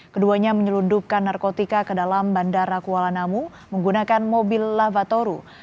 keduanya menyelundupkan narkotika ke dalam bandara kuala namu menggunakan mobil lavatoru